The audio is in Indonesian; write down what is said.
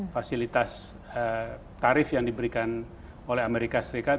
fasilitas tarif yang diberikan oleh amerika serikat